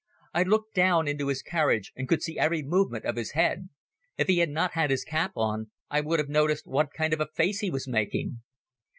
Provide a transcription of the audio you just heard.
I looked down into his carriage and could see every movement of his head. If he had not had his cap on I would have noticed what kind of a face he was making.